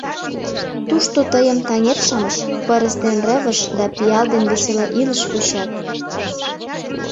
Тушто тыйым таҥет-шамыч — пырыс ден рывыж да пиал ден весела илыш вучат.